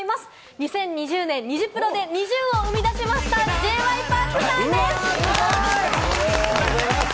２０２０年、ニジプロでＮｉｚｉＵを生み出しましたＪ．Ｙ．Ｐａｒｋさんです！